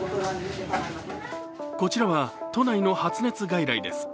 こちらは都内の発熱外来です。